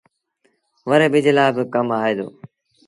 وري ٻج لآ با ڪم آئي ديٚ